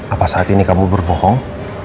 apa saat ini kamu berbohong